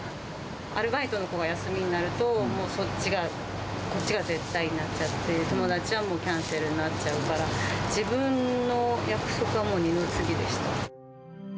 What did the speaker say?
アルバイトの子が休みになると、もう、こっちが絶対になっちゃって、友達はもうキャンセルになっちゃうから、自分の約束はもう二の次でした。